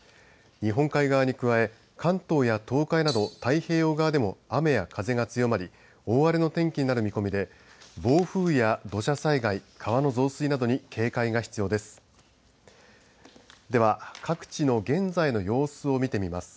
日本海側に加え関東や東海など太平洋側でも雨や風が強まり大荒れの天気になる予想で暴風や土砂災害川の増水などに警戒が必要です。